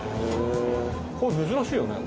これ珍しいよね。